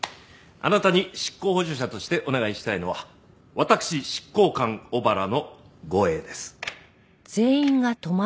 あなたに執行補助者としてお願いしたいのは私執行官小原の護衛です。